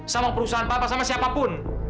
sama perusahaan papa sama siapapun